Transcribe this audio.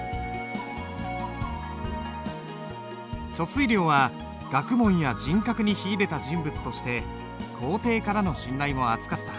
遂良は学問や人格に秀でた人物として皇帝からの信頼も厚かった。